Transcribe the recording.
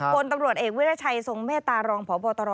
โทษตำรวจเอกวิราชัยทรงเมตารองผอว์บอร์ตอเตอรอ